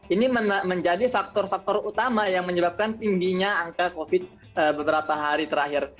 ini menjadi faktor faktor utama yang menyebabkan tingginya angka covid beberapa hari terakhir